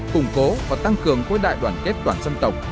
củng cố và tăng cường khối đại đoàn kết toàn dân tộc